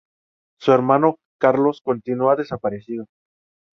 Su hermano Carlos continúa desaparecido.